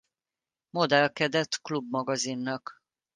Modellkedett Club magazinnak.